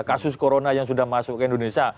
kasus corona yang sudah masuk ke indonesia